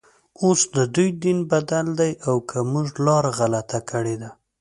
اوس ددوی دین بدل دی او که موږ لاره غلطه کړې ده.